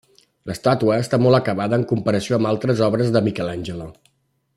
L'estàtua està molt acabada en comparació amb altres obres de Michelangelo.